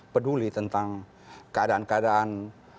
peduli tentang keadaan keadaan